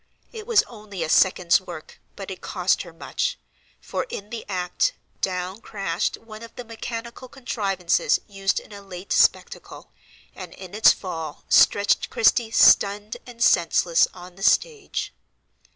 It was only a second's work, but it cost her much; for in the act, down crashed one of the mechanical contrivances used in a late spectacle, and in its fall stretched Christie stunned and senseless on the stage.